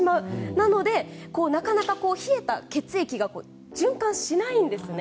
なので、冷えた血液が循環しないんですね。